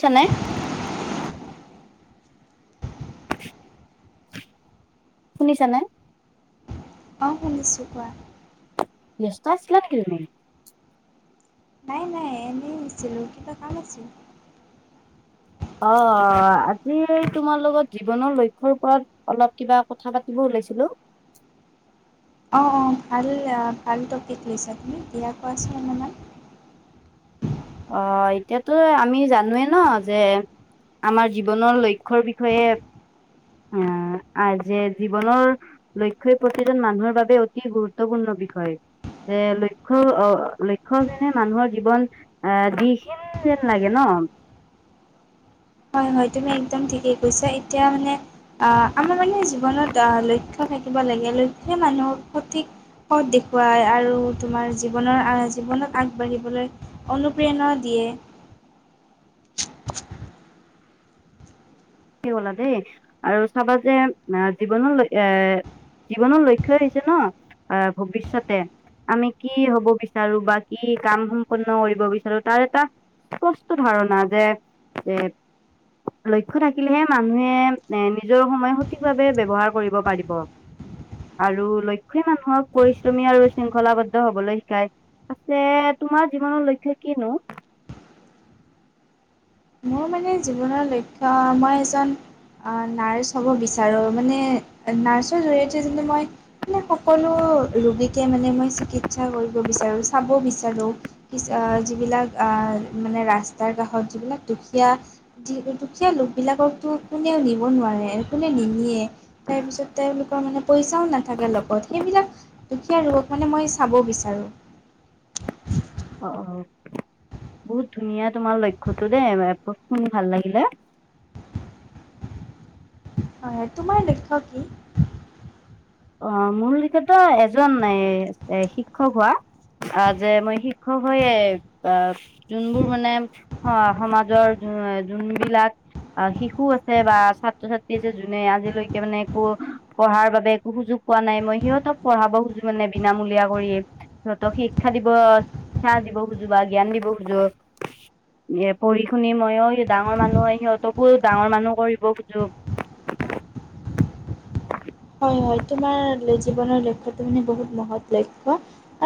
চানাই শুনিছানে? অ শুনিছো কোৱা, বিয়স্ত আছিলা নিকি তুমি? নাই নাই এনে আছিলো, কিবা কাম আছিল? অহ', আজি তোমাৰ লগত জীৱনৰ লক্ষ্যৰ ওপৰত অলপ কিবা কথা পাতিব উলাইছিলো। অঁ অঁ ভাল ভাল টপিক লৈছা তুমি এতিয়া কোৱাচোন অকমান অহ', এতিয়াতো আমি জানোৱে ন যে আমাৰ জীৱনৰ লক্ষ্যৰ বিষয়ে অহ', আৰু যে জীৱনৰ লক্ষ্যই প্ৰতিজন মানুহৰ বাবে অতি গুৰুত্বপূৰ্ণ। বিষয় যে লক্ষ্য লক্ষ্য যেনে মানুহৰ জীৱন আহ, যিখিন যেন লাগে ন, হয় হয় তুমি একদম ঠিকেই কৈছা এতিয়া মানে অ আমাৰ মানে জীৱনত লক্ষ্য, থাকিব লাগে লক্ষ্যই মানুহৰ সঠিক, সৎ দেখুৱায় আৰু তোমাৰ জীৱনৰ জীৱনত আগবাঢ়িবলৈ অনুপ্ৰেৰণা দিয়ে। কে [inaudible] হলা দেই আৰু চাবা যে জীৱন লক্ষ্য এ জীৱনৰ লক্ষ্য আহিছে ন আহ ভৱিষ্যয়তে আমি কি হব বিচাৰো বা কি কাম সম্পন্ন কৰিব বিচাৰো তাৰ এটা স্পষ্ট ধাৰণা যে-যে লক্ষ্য থাকি থাকিলেহে মানুহে এ নিজৰ সময় সঠিকভাৱ ব্যৱহাৰ কৰিব পাৰিব আৰু লক্ষ্য‌ই মানুহক পৰিশ্ৰমী আৰু শৃংখলাবদ্ধ হবলৈ শিকায় আছে তোমাৰ জীৱনৰ লক্ষ্য কিনো মোৰ মানে জীৱনৰ লক্ষ্য মই এজন আহ, নাৰ্ছ হ'ব বিচাৰো। মানে নাৰ্ছৰ জৰিয়তে যে মই মানে সকলো ৰোগীকে মানে মই চিকিৎসা কৰিব বিচাৰো চাব বিচাৰো অ যি বিলাক বা মানে ৰাস্তাৰ কাষত যিবিলাক দেখি দুখীয়া - দুখীয়া লোকবিলাককতো কোনেও নিব নোৱাৰে। কোনে নিনিয়ে তাৰপিছত তেওলোকৰ মানে পইচাও নাথাকে লগত সেইবিলাক দুখীয়া ৰোগক মানে মই চাব বিচাৰোঁ অ অ বহুত ধুনীয়া তোমাৰ লক্ষ্যতো দেই শুনি ভাল লাগিলে। [inaudible] হয় হয় তোমাৰ লক্ষ্য কি? অ মোৰ লেখিয়াতো এজন এ শিক্ষক হোৱা অ যে মই শিক্ষক হৈয়ে অ যোনবোৰ মানে সমাজৰ যোনবিলাক অ শিশু আছে বা ছাত্ৰ-ছাত্ৰী আছে যোনে আজিলৈকে মানে একো পঢ়াৰ বাবে সুযোগ পোৱা নাই মই সিহঁতক পঢ়াব খুজো মানে বিনামূলীয়া কৰি সিহঁতক শিক্ষা দিব শিক্ষা দিব খোজো বা জ্ঞান দিব খোজো এহ, পঢ়ি শুনি ময়ো ডাঙৰ মানুহ সিহতকো ডাঙৰ মানুহ কৰিব খোজো। [inaudible] হয় হয় তোমাৰ জীৱনৰ লক্ষ্যতো মানে বহুত মহৎ লক্ষ্য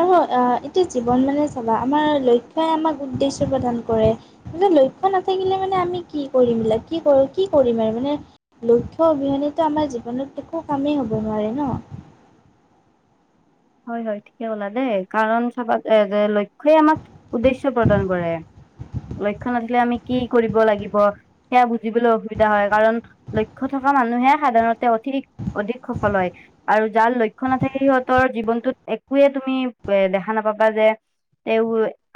আৰু এতিয়া জীৱন মানে চাবা আমাৰ লক্ষ্যয় আমাক উদ্দেশ্য প্ৰদান কৰে। কিন্তে লক্ষ্য নাথাকিলে মানে আমি কি কি কৰিমা বুলে কি কি কৰিম আৰু মানে লক্ষ্য অবিহনেতটো আমাৰ জীৱনত একো কামেই হ'ব নোৱাৰে ন। হয় হয় ঠিকে লা দেই কাৰণ চাবা যে লক্ষ্যই আমাক উদ্দেশ্য প্ৰদান কৰে লক্ষ্য নাথিলে আমি কি কৰিব লাগিব সেয়া বুজিবলৈ অসুবিধা হয় কাৰণ লক্ষ্য থ মানুহে সাধাৰণতে অধিক অধিক সফল হয় আৰু যাৰ লক্ষ্য নাথাকে সিহঁতৰ জীৱনটোত একোয়ে তুমি এ দেখা নাপাবা যে তে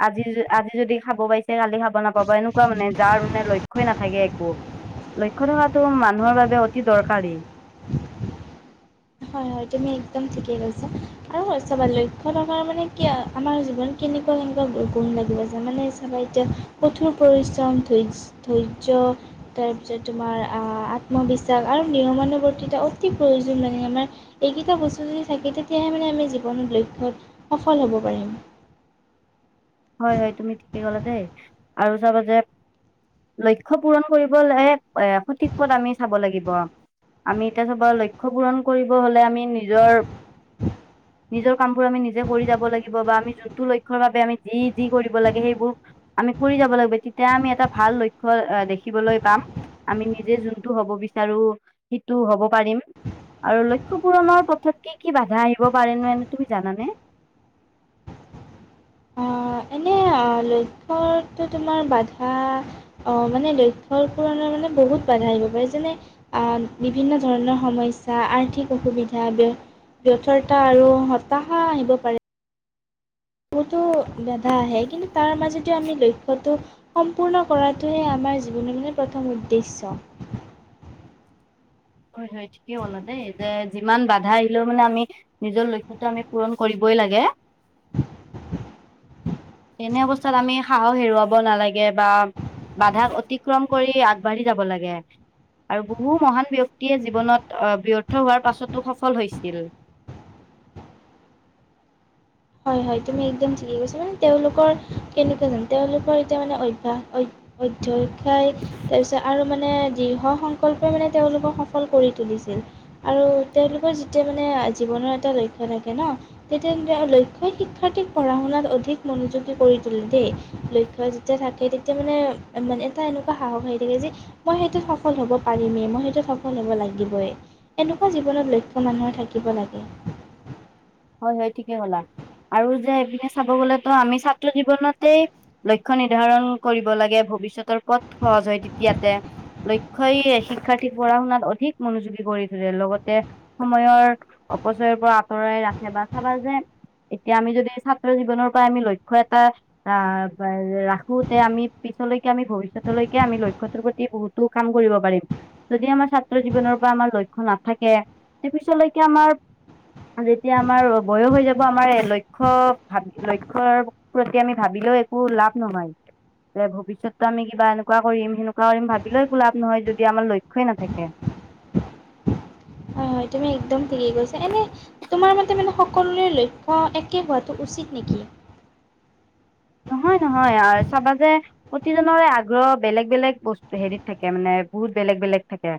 আজি আজি যদি খাব পাইছে কালি খাব নাপাব এনেকুৱা মানে যাৰ মানে লক্ষ্যই নাথাকিব একো লক্ষ্য থকাটো মানুহৰ বাবে অতি দৰকাৰী। হয় - হয় তুমি একদম ঠিকে কৈছা আৰু চবা লক্ষ্য থকা মানে কি আমাৰ জীৱন কেনেকুৱা কেনেকুৱা গুণ লাগিব যে মানে চাবা এতিয়া কঠোৰ পৰিশ্ৰম ধৈৰ্য্য তাৰপিছত তোমাৰ আহ আত্মবিশ্বাস আৰু নিয়মানুৱৰ্তিতা অতি প্ৰয়োজন মানে আমাৰ এইকেইটা বস্তু যদি থাকে তেতিয়াহে মানে আমি জীৱনত লক্ষ্যত সফল হ'ব পাৰিম হয় হয় তুমি ঠিকেই কলা দেই আৰু চাবা যে লক্ষ্য পূৰণ কৰিবলে সঠিক পথ আমি চাব লাগিব আমি এতিয়া চবৰ লক্ষ্য পূৰণ কৰিব হলে আমি নিজৰ নিজৰ কামবোৰ আমি নিজে কৰি যাব লাগিব বা আমি যোনটো লক্ষ্যৰ বাবে আমি যি - যি কৰিব লাগে সেইবোৰ আমি কৰি যাব লাগিব তেতিয়া আমি এটা ভাল লক্ষ্য এ দেখিবলৈ পাম। আমি নিজে যোনটো হ'ব বিচাৰো সেইটো হব পাৰিম। আৰু লক্ষ্য পূৰণৰ পথত কি কি বাধা আহিব পাৰে এনে তুমি জানানে [inaudible] আহ, এনে আহ, [inaudible] লক্ষ্যটো তোমাৰ বাধা অ মানে লক্ষ্যপূৰণৰ মানে বহুত বাধা যেনে বিভিন্ন ধৰণৰ সমস্যা আৰ্থিক অসুবিধা ব্যথতা আৰু হতাশা আহিব পাৰে বহুতো বাধা আহে কিন্তু তাৰ মাজত আমি লক্ষ্যটো সম্পূৰ্ণ কৰাটোহে আমি আমাৰ জীৱনৰ মানে প্ৰথম উদ্দেশ্য [inaudible] হয় হয় ঠিকেই কলা দেই যে যিমান বাধা আহিলেও মানে আমি নিজৰ লক্ষ্যতো আমি পুৰণ কৰিবই লাগে তেনে অৱস্থাত আমি সাহস হেৰুৱাব নালাগে বা বাধাক অতিক্ৰম কৰি আগবাঢ়ি যাব লাগে। আৰু বহু মহান ব্যক্তিয়ে জীৱনত আহ ব্যৰ্থ হোৱাৰ পাছতো সফল হৈছিল [inaudible] হয় হয় তুমি একদম ঠিকেই কৈছা মানে তেওঁলোকৰ কেনেকুৱা জানো তেওঁলোকৰ এতিয়া মানে অভ্যাস অইভ অধ্যক্ষায়, তাৰপিছত আৰু মানে, দৃঢ় সংকল্পই মানে তেওঁলোকক সফল কৰি তুলিছে। জেই আৰু তেওঁলোকৰ যেতিয়া মানে, জীৱনৰ এটা লক্ষ্য থাকে ন'। তে তেন্তে লক্ষ্ সেই শিক্ষাৰ্থীক পঢ়া শুনাত অধিক মনোযোগী কৰি তোলে দেই লক্ষ্য যেতিয়া থাকে তেতিয়া মানে অঁ মানে এটা এনেকুৱা সাহস আহি থাকে যে, মই সেইটোত সফল হ'ব পাৰিমে, মই সেইটোত সফল হ'ব লাগিবই। এনেকুৱা জীৱনত লক্ষ্য মানুহৰ থাকিব লাগে হ'য়, হ'য় ঠিকে কলা। আৰু যে এইপিনে চাব গ'লে ত্‌ আমি ছাত্ৰ জীৱনতেই লক্ষ্য নিৰ্ধাৰণ কৰিব লাগে। ভৱিষ্যতৰ ক'ত সহজ হয় তেতিয়াতে লক্ষ্যই শিক্ষাৰ্থীক পঢ়া -শুনাত অধিক মনোযোগী কৰি তুলে। লগতে সময়ৰ অপচয়ৰ পৰা আঁতৰাই ৰাখে বা চাবা যে এতিয়া আমি যদি ছাত্ৰ জীৱনৰ পৰা আমি লক্ষ্য এটা আহ ৰাখোতে আমি লৈকে আমি ভৱিষ্যতলৈকে আমি লক্ষ্যটোৰ প্ৰতি বহুতো কাম কৰিব পাৰিম। যদি আমাৰ ছাত্ৰ জীৱনৰ পৰা আমাৰ লক্ষ্য নাথাকে, তাৰ পিছৰলৈকে আমাৰ আজিত্‌ এতিয়া আমাৰ বয়ো হৈ যাব আমাৰ লক্ষ্য ভাব লক্ষ্যৰ প্ৰতি আমি ভাবিলেও একো ল লাভ নহয় যে ভৱিষ্যতটো আমি কিবা এনেকোৱা কৰিম সেনেকোৱা কৰিম ভাবিলে একো লাভ নহয় যদি আমাৰ লক্ষ্যই নাথাকে। [inaudible] হয় হয় তুমি একদম থিকেই কৈছা এনে তোমাৰ মতে মানে সকলোৰে লক্ষ্য একে হোৱাটো উচিত নেকি [inaudible] নহয়, নহয় আৰু চাবা যে প্ৰতিজনৰে আগ্ৰহ বেলেগ বেলেগ বস্তু হেৰিত থাকে মানে - বহুত বেলেগ বেলেগ থাকে।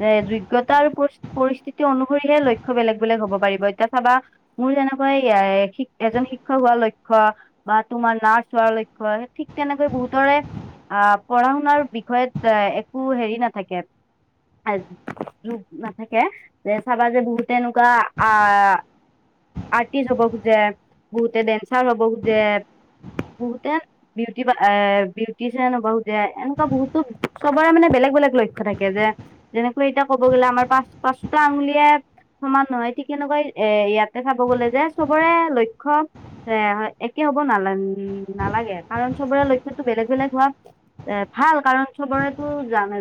যে যোগ্যতা আৰু পৰিচ পৰিস্থিতি অনুসৰিহে লক্ষ্য বেলেগ বেলেগ হব পাৰিব এতিয়া চাবা মোৰ তেনেকোৱাই ইয়া এজন শিক্ষক হোৱাৰ লক্ষ্য বা তোমাৰ না চোৱাৰ লক্ষ্য ঠিক তেনেকৈ বহুতৰে আহ পঢ়া শুনাৰ বিষয়ত একো হেৰি নাথাকে। যোগ নাথাকে যে চাবা যে বহুতে এনেকোৱা আহ আৰ্টিষ্ট হ'ব খোজে, বহুতে ডেন্সাৰ হ'ব খোজে বহুতে বিউটি এ বিউটিচিয়ান বহুতে এনেকোৱা বহুতো চবৰে মানে বেলেগ বেলেগ লক্ষ্য থাকে যে, যেনেকৈ এতিয়া ক'ব গ'লে আমাৰ পাঁচ পাঁচটা আঙুলিয়ে সমান নহয়, ঠিক তেনেকৈ এ ইয়াতে চাব গ'লে যে, চবৰে লক্ষ্য বেয়া হ'য়। একে হ'ব নালান্‌ উম নালাগে কাৰণ চবৰে লক্ষ্যটো বেলেগ বেলেগ হোৱা এ ভাল কাৰণ চবৰেতো নেজান্‌,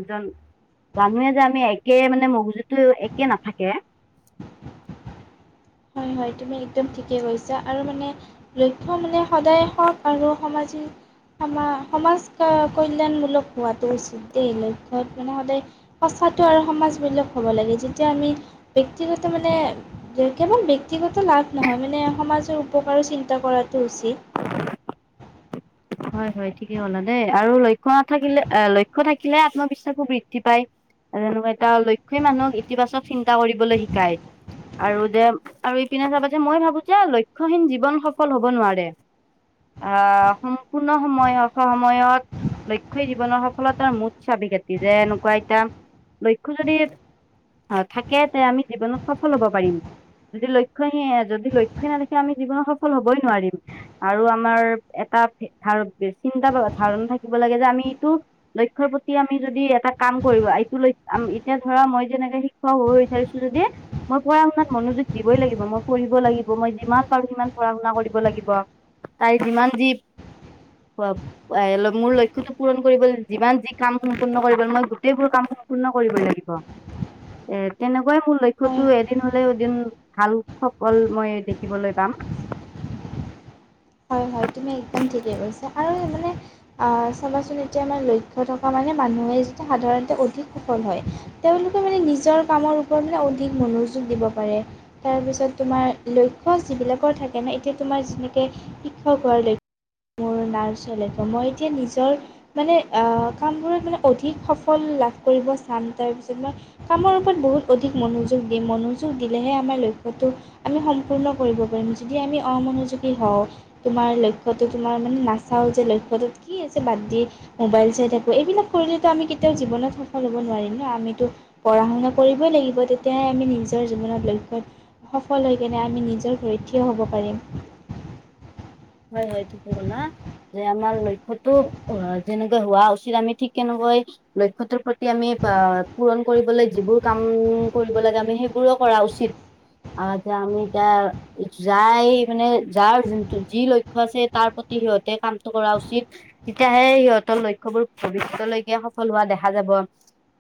জানোৱে যে আমি একে মানে, মগজুটো একে নাথাকে। [inaudible] হয় হয় তুমি একদম ঠিকেই কৈছা আৰু মানে লক্ষ্য মানে সদায় হত আৰু সমাজিক সমা- সমাজ ক্ কল্যাণমূলক হোৱাটো উচিত দেই। লক্ষ্‌ ক্ষ্য মানে সদায় সঁচাটো আৰু সমাজ বেলেক হ'ব লাগে যেতিয়া আমি ব্যক্তিগত মানে দে কেৱল বিক্‌ ব্যক্তিগত লাভ নহয় মানে সমাজৰ উপকাৰো চিন্তা কৰাটো উচিত। হ'য়, হ'য় ঠিকেই কলা দেই আৰু লক্ষ্য নাথাকিলে আঁ লক্ষ্য থাকিলে আত্মবিশ্বাসো বৃদ্ধি পায়। আৰু এনেকুৱা এটা লক্ষ্যই মানুহক ইতিবাচক চিন্তা কৰিবলে শিকায়। আৰু যে, আৰু এইপিনে চাবা যে, মই ভাৱো যে লক্ষ্যহীন জীৱন সফল হ'ব নোৱাৰে। আঁ- সম্পূৰ্ণ সময় অৰ্থ সময়ত লক্ষ্যই জীৱনৰ সফলতাৰ মুঠ চাবি -কাঠি যে, এনেকুৱা এটা লক্ষ্য যদি অ থাকে তে আমি জীৱনত সফল হব পাৰিম। যদি লক্ষ্যণিয় যদি লক্ষ্য নাথাকে আমি জীৱনত সফল হবই নোৱাৰিম আৰু আমাৰ এটা ধাৰত দে, চিন্তা কৰাৰ ধাৰণ থাকিব লাগে যে, আমিটো লক্ষ্যৰ প্ৰতি আমি যদি এটা কাম কৰিব আহি এইটো লৈ আঁ এতিয়া ধৰা মই যেনেকে শিক্ষক হ'ব বিচাৰিছো যদি। মই পঢ়া শুনাত মনোযোগ দিবই লাগিব। হোমৱৰ্ক কৰিব লাগিব। মই যিমান পাৰো সিমান পঢ়া -শুনা কৰিব লাগিব। তাই যিমান যি পুৰা-পুৰাই লৈ মোৰ লক্ষ্যটো পুৰণ কৰিবলে যিমান যি কাম সম্পূৰ্ন কৰিব মই গোটেইবোৰ কাম সম্পূৰ্ণ কৰিব লাগিব এ তেনেকুৱাই মোৰ হয় লক্ষ্যটো এদিন হলেও এদিন ভাল সফল মই দেখিবলৈ পাম। হয় হয় তুমি একদম ঠিকে কৈছা আৰু মানে অ চাবাচোন এতিয়া আমাৰ লক্ষ্য থকা মানে মানুহে যে সাধাৰণতে অধিক সফল হয় তেওঁলোকে মানে নিজৰ কামৰ ওপৰত মানে অধিক মনো- যোগ দিব পাৰে। তাৰপিছত তোমাৰ লক্ষ্য যিবিলাকৰ থাকে ন এতিয়া তোমাৰ যেনেকে শিক্ষা হোৱাৰ ল- মোৰ নাৰ্চলেক। মই এতিয়া নিজৰ মানে অ'- কামবোৰত মানে অধিক সফল লা কৰিব চাম। তাৰপিছত মই কামৰ ওপৰত বহুত অধিক মনোযোগ দিম। মনোযোগ দিলেহে আমাৰ লক্ষ্য টো আমি সম্পূৰ্ণ কৰিব পাৰিম। যদি আমি অমনোযোগী হওঁ তোমাৰ লক্ষ্যটো, তোমাৰ মানে নাচাওঁ যে লক্ষ্যটোত কি আছে বাদ দি, মোবাইল চাই থাকোঁ, এইবিলাক কৰিলেতো আমি কেতিয়াও জীৱনত সফল হ'ব নোৱাৰিম ন'? আমিতো পঢ়া- শুনা কৰিবই লাগিব। তেতিয়াহে আমি নিজ জৰ জীৱনত, লক্ষ্যত সফল হৈকেনে আমি নিজৰ ভৰিত থিয় হ'ব পাৰিম। হয় - হয়, ঠিকে কলা। যে আমাৰ লক্ষ্যতো অ' যেনেকৈ হোৱা উচিত, আমি ঠিক তেনেকৈ লক্ষ্যটোৰ প্ৰতি আমি অ'- পূৰণ কৰিবলৈ যিবোৰ কাম কৰিব লাগে আমি, সেইবোৰ কৰা উচি চিত। আৰু এতিয়া আমি এতিয়া যাই মানে যাৰ যোনটো যি লক্ষ্য আছে, তাৰ প্ৰতি সিহঁতে কামটো কৰা উচিত। তেতিয়াহে সিহঁতৰ লক্ষ্যবোৰ ভৱিষ্যত লৈকে সফল হোৱা দেখা যাব।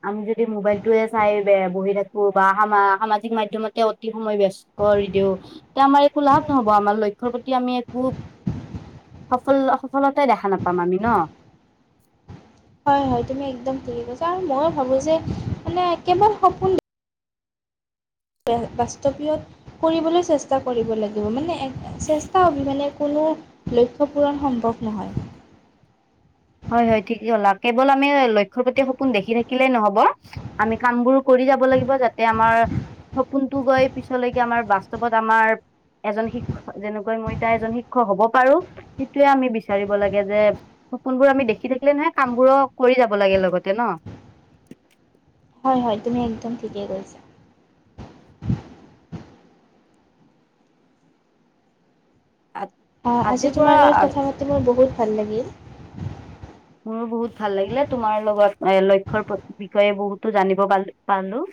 আমি যদি মোবাইলটোৱে চাই বে- বহি থাকোঁ বা সামা- সামাজিক মাধ্যমতে অতি সময় ব্যস্ত কৰি দিওঁ, তেয়া আমাৰ একো লাভ নহ'ব। আমাৰ লক্ষ্যৰ প্ৰতি আমি খুব সফল- সফলতাই দেখা নাপাম আমি, ন'? হয় - হয়, তুমি একদম ঠিকে কৈছা। মইয়ো ভাবো যে মানে কেৱল সপোন বাস্তৱীয়ত কৰিবলৈ চেষ্টা কৰিব লাগিব। মানে চেষ্টা অবিহনে কোনো লক্ষ্য পূৰণ সম্ভৱ নহয়। হয় - হয়, ঠিকে কলা। কেৱল আমি লক্ষ্যৰ প্ৰতি সপোন দেখি থাকিলেই নহ'ব। আমি কামবোৰো কৰি যাব লাগিব, যাতে আমাৰ সপোনটো গৈ পিছলৈকে আমাৰ বাস্তৱত আমাৰ এজন শিক্ষ- যেনেকৈ মই তাই এজন শিক্ষক হ'ব পাৰোঁ। সিটোৱে আমি বিচাৰিব লাগে যে সপোনবোৰ আমি দেখি থাকিলে নহয়, কামবোৰো কৰি যাব লাগে লগতে, ন'? হয় - হয়, তুমি একদম ঠিকেই কৈছা। আ- অ' আজিৰ আজি তোমাৰ লগত পৰা কথা পাতি মোৰ বহুত ভাল লাগিল। মোৰো বহুত ভাল লাগিলে। তোমাৰ লগত এ- লক্ষ্যৰ প্ৰতি বিষয়ে বহুতো জানিব পাৰলো- পালোঁ।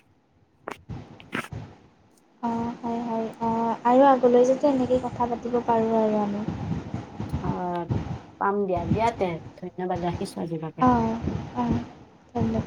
অঁ হয় হয় অঁ আৰু আগলৈ যাতে এনেকেই কথা পাতিব পাৰোঁ আৰু আমি। আহ পাম দিয়া। দিয়া তে। ধন্যবাদ, ৰাখিছোঁ আজিৰ বাবে। অঁ অঁ ধন্যবাদ